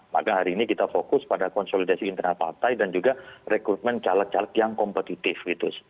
maka hari ini kita fokus pada konsolidasi internal partai dan juga rekrutmen caleg caleg yang kompetitif gitu